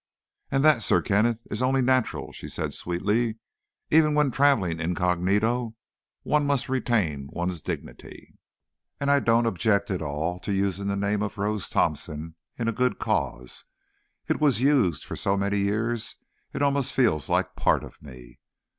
"And that, Sir Kenneth, is only natural," she said sweetly. "Even when traveling incognito, one must retain one's dignity. And I don't object at all to using the name of Rose Thompson in a good cause; it was used for so many years it almost feels like part of me."